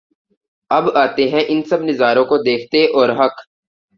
اب آتے ہیں ان سب نظاروں کو دیکھتے اور حق